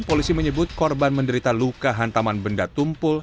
polisi menyebut korban menderita luka hantaman benda tumpul